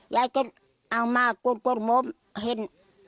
ยายก็เอามากรวดกรวดมมเห็น